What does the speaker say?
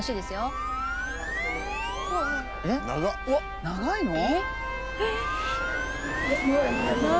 すごい！